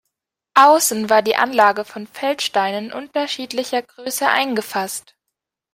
Außen war die Anlage von Feldsteinen unterschiedlicher Größe eingefasst.